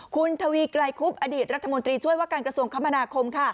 คุณทวีไกลคุบอดีตรัฐมนตรีช่วยว่าการกระทรวงคมนาคม